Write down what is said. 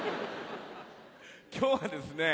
今日はですね